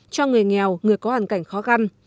cho người nghèo người có hàn cảnh khó khăn